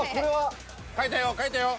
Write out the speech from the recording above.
書いたよ書いたよ。